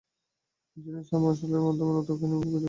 তিনি sir John মার্শাল-এর মধ্যে নতুন কানিংহামকে খুঁজে পেয়েছিলেন।